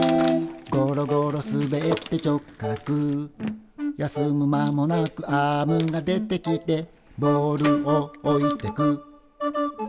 「ゴロゴロ滑って直角」「休む間もなくアームが出てきて」「ボールを置いてく」